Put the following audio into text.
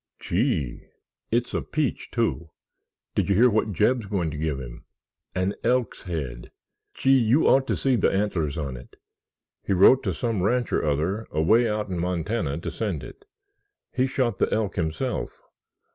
"Gee!" "It's a peach, too! Did you hear what Jeb's going to give him? An elk's head—gee, you ought to see the antlers on it. He wrote to some ranch or other away out in Montana to send it. He shot the elk himself.